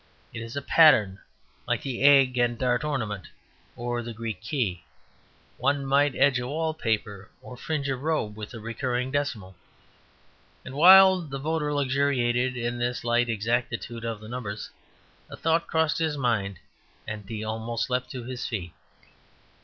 It is a pattern, like the egg and dart ornament or the Greek key. One might edge a wall paper or fringe a robe with a recurring decimal. And while the voter luxuriated in this light exactitude of the numbers, a thought crossed his mind and he almost leapt to his feet.